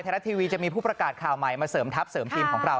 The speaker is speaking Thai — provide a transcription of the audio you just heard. รัฐทีวีจะมีผู้ประกาศข่าวใหม่มาเสริมทัพเสริมทีมของเรา